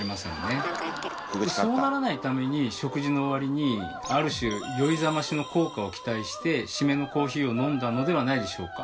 そうならないために食事の終わりにある種「酔いざまし」の効果を期待して締めのコーヒーを飲んだのではないでしょうか。